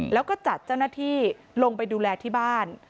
แล้วก็จัดเจ้าหน้าที่ลงไปดูแลที่บ้าน